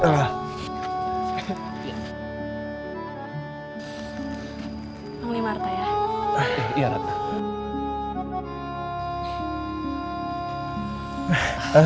yang lima ratna ya